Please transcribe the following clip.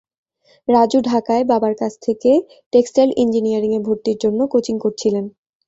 রাজু ঢাকায় বাবার কাছে থেকে টেক্সটাইল ইঞ্জিনিয়ারিংয়ে ভর্তির জন্য কোচিং করছিলেন।